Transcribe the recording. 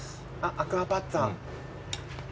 アクアパッツァ。